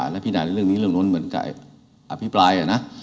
และพี่น้าในเรื่องนี้เติมรวมเงินหมาย